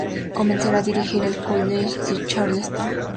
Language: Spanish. Comenzará a dirigir el "College" de Charleston.